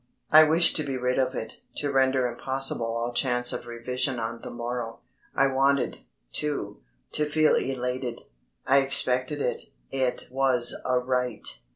I wished to be rid of it, to render impossible all chance of revision on the morrow. I wanted, too, to feel elated; I expected it. It was a right.